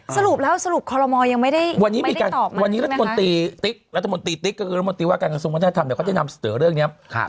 สรุปแล้วสรุปขรมมยังไม่ได้ตอบมันได้ไหมคะ